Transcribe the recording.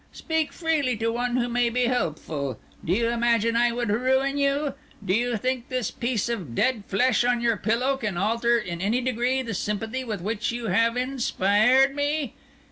Speak freely to one who may be helpful. Do you imagine I would ruin you? Do you think this piece of dead flesh on your pillow can alter in any degree the sympathy with which you have inspired me?